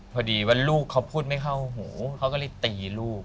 พอดีว่าลูกเขาพูดไม่เข้าหูเขาก็เลยตีลูก